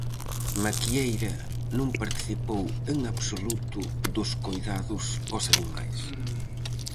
Maquieira non participou en absoluto dos coidados aos animais.